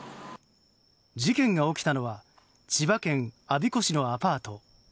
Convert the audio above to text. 事件が起きたのは千葉県我孫子市のアパート。